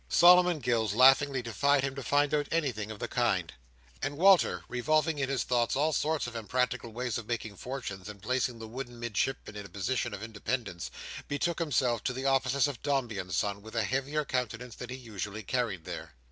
Solomon Gills laughingly defied him to find out anything of the kind; and Walter, revolving in his thoughts all sorts of impracticable ways of making fortunes and placing the wooden Midshipman in a position of independence, betook himself to the offices of Dombey and Son with a heavier countenance than he usually carried there.